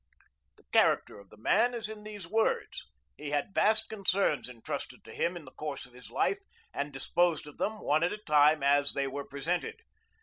The character of the man is in these words. He had vast concerns intrusted to him in the course of his life, and disposed of them one at a time as they were presented.